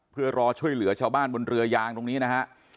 เพื่อรอช่วยเหลือชาวบ้านบนเรือยางตรงนี้นะฮะ